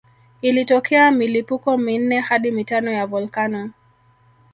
Ilitokea milipuko minne hadi mitano ya volkano